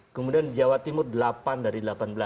kemudian jawa timur delapan dari delapan belas